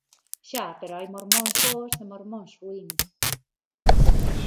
Xa, pero hai mormóns bos e mormóns ruíns...